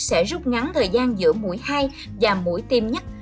sẽ rút ngắn thời gian giữa mũi hai và mũi tiêm nhắc